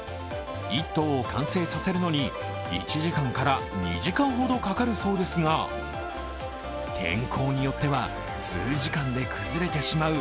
１頭を完成させるのに１時間から２時間ほどかかるそうですが天候によっては数時間で崩れてしまう